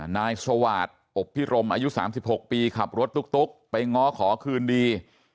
นายสวาสตอบพิรมอายุ๓๖ปีขับรถตุ๊กไปง้อขอคืนดี